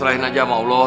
nah ya itu boleh